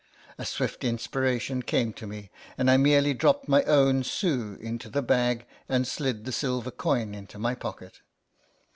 A swift inspiration came to me, and I merely dropped my own sou into the bag and slid the silver coin into my pocket.